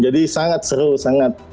jadi sangat seru sangat